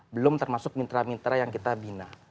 belum termasuk mitra mitra yang kita bina